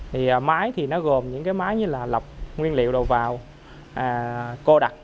thì máy thì nó gồm những cái máy như là lọc nguyên liệu đầu vào cô đặc